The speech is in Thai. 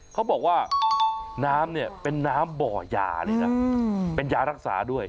เขาบอกว่าน้ำเนี่ยเป็นน้ำบ่อยาเลยนะเป็นยารักษาด้วย